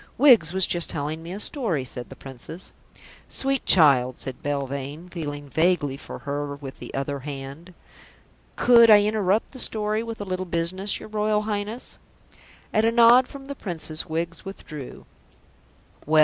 "Wiggs was just telling me a story," said the Princess. "Sweet child," said Belvane, feeling vaguely for her with the other hand. "Could I interrupt the story with a little business, your Royal Highness?" At a nod from the Princess, Wiggs withdrew. "Well?"